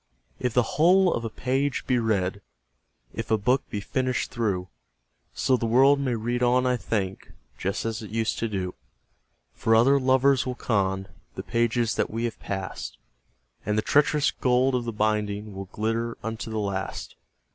II. If the whole of a page be read, If a book be finished through, Still the world may read on, I think, Just as it used to do; For other lovers will con The pages that we have passed, And the treacherous gold of the binding Will glitter unto the last.